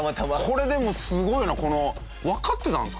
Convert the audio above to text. これでもすごいなわかってたんですかね？